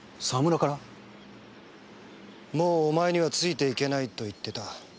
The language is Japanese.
もうお前にはついていけないと言ってた。